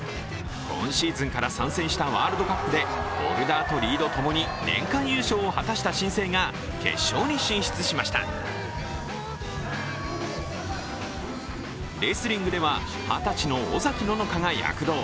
今シーズンから参戦したワールドカップでボルダーとリードともに年間優勝を果たした新星が決勝に進出しましたレスリングでは二十歳の尾崎野乃香が躍動。